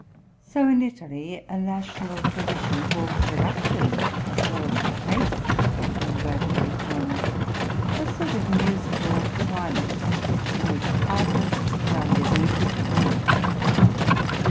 So in Italy a national tradition for production as well as for taste had been gradually formed, a sort of musical climate, in which artists found it easy to breathe.